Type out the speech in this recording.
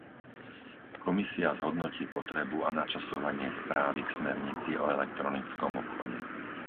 Komisia zhodnotí potrebu a načasovanie správy k Smernici o elektronickom obchode.